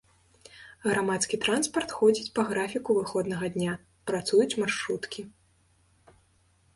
Грамадскі транспарт ходзіць па графіку выходнага дня, працуюць маршруткі.